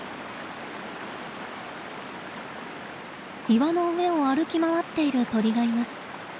岩の上を歩き回っている鳥がいます。